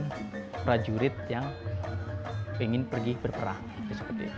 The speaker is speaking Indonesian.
dan para jurid yang ingin pergi berperang